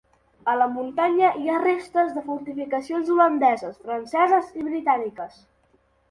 A la muntanya hi ha restes de fortificacions holandeses, franceses i britàniques.